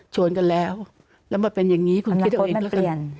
โฉนกันแล้วแล้วมันเป็นอย่างนี้คุณคิดเอาเอง